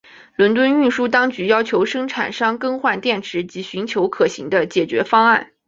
伦敦运输当局要求生产商更换电池及寻求可行的解决方案。